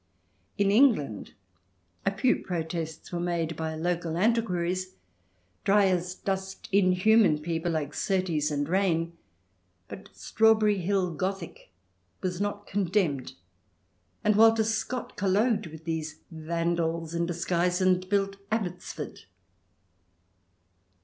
In England a few protests were made by local anti quaries — dry as dust inhuman people like Surtees CH. XX] TRIER 9fT and Raine — but Strawberry Hill Gothic was not condemned, and Walter Scott collogued with these Vandals in disguise and built Abbotsford.